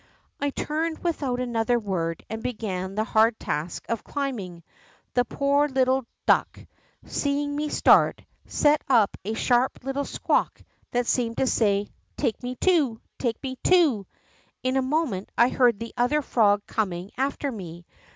I turned without another word and began the hard task of climbing, and the poor little duck, seeing me start, set up a sharp little squawk that seemed to say, ^ Take me too ! Take me too !' In a moment I heard the other frog coming after me.